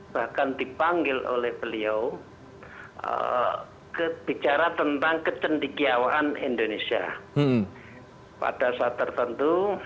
bahkan dipanggil oleh beliau bicara tentang kecendikiawan indonesia pada saat tertentu